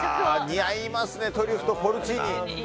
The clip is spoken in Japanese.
似合いますねトリュフとポルチーニ。